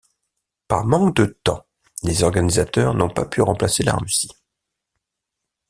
Par manque de temps, les organisateurs n'ont pas pu remplacer la Russie.